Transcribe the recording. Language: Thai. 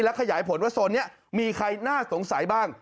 ขยายผลว่าโซนนี้มีใครน่าสงสัยบ้าง